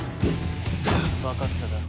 わかっただろ？